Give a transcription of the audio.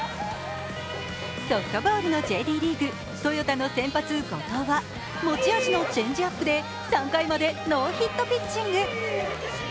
ソフトボールのＪＤリーグ、デンソー戦に先発した後藤は持ち味のチェンジアップで３回までノーヒットピッチング。